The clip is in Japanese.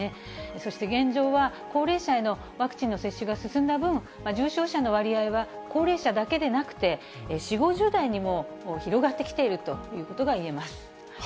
そして現状は、高齢者へのワクチンの接種が進んだ分、重症者の割合は高齢者だけでなくて４、５０代にも広がってきているということが言えます。